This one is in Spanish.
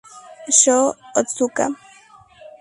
Sho Otsuka